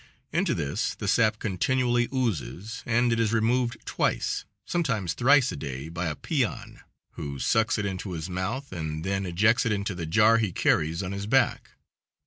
Into this the sap continually oozes, and it is removed twice, sometimes thrice a day by a peon, who sucks it into his mouth and then ejects it into the jar he carries on his back.